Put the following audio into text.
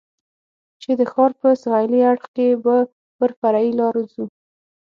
چې د ښار په سهېلي اړخ کې به پر فرعي لارو ځو.